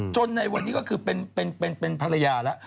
ในวันนี้ก็คือเป็นภรรยาแล้ว